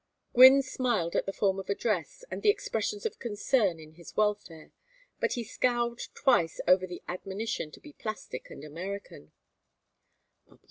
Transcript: Gwynne smiled at the form of address and the expressions of concern in his welfare; but he scowled twice over the admonition to be plastic and American.